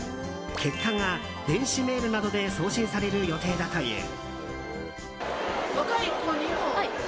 結果が電子メールなどで送信される予定だという。